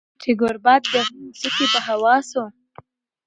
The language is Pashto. چي ګوربت د غره له څوکي په هوا سو